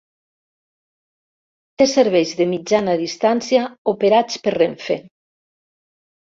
Té serveis de mitjana distància operats per Renfe.